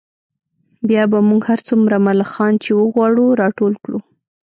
بیا به موږ هر څومره ملخان چې وغواړو راټول کړو